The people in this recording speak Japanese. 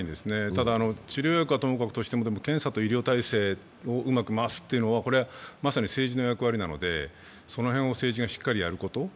ただ、治療薬はともかくとしても検査と医療体制をうまく回すというのは、まさに政治の役割なので、その辺を政治がやること。